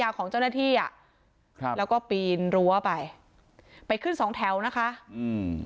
อ่าแล้วก็ปีนรั้วไปไปขึ้นสองแถวนะคะอืม